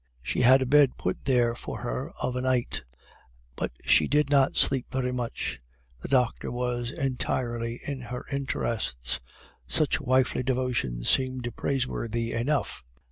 She had a bed put there for her of a night, but she did not sleep very much. The doctor was entirely in her interests. Such wifely devotion seemed praiseworthy enough.